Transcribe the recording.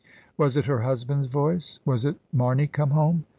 Was it her husband's voice? Was it Mamey come home?